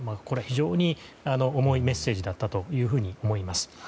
これは非常に重いメッセージだったと思います。